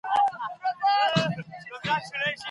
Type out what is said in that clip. ډېر خوراکي توکي په اسانۍ ککړېږي.